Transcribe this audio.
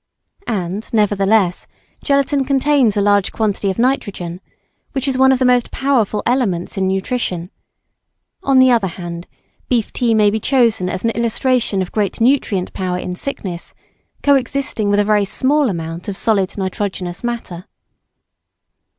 And, nevertheless, gelatine contains a large quantity of nitrogen, which is one of the most powerful elements in nutrition; on the other hand, beef tea may be chosen as an illustration of great nutrient power in sickness, co existing with a very small amount of solid nitrogenous matter.